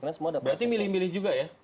berarti milih milih juga ya